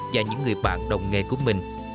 và những người bạn đồng nghề của mình